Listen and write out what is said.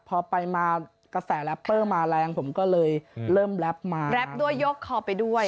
พอไปมากระแสแรปเปอร์มาแรงผมก็เลยเริ่มแรปมาแรปด้วยยกคอไปด้วย